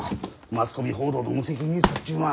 マスコミ報道の無責任さっちゅうんは。